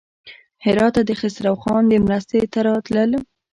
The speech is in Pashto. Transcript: هراته د خسروخان مرستې ته راتلل.